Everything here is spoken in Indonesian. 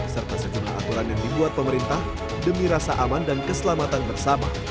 serta sejumlah aturan yang dibuat pemerintah demi rasa aman dan keselamatan bersama